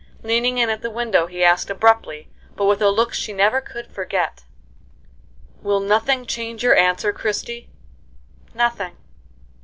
Leaning in at the window, he asked abruptly, but with a look she never could forget: "Will nothing change your answer, Christie?" "Nothing."